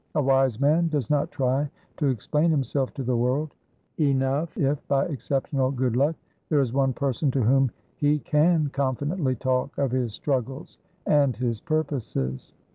A wise man does not try to explain himself to the world; enough if, by exceptional good luck, there is one person to whom he can confidently talk of his struggles and his purposes.